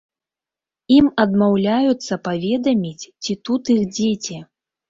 Ім адмаўляюцца паведаміць, ці тут іх дзеці.